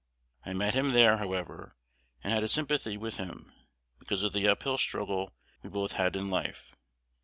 I met him there, however, and had a sympathy with him, because of the up hill struggle we both had in life.